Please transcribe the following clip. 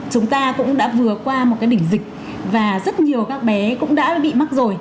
chúng ta cũng đã vừa qua một cái đỉnh dịch và rất nhiều các bé cũng đã bị mắc rồi